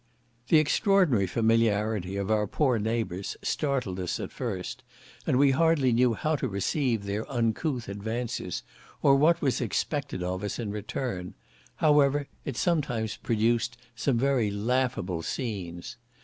The extraordinary familiarity of our poor neighbours startled us at first, and we hardly knew how to receive their uncouth advances, or what was expected of us in return; however, it sometimes produced very laughable scenes.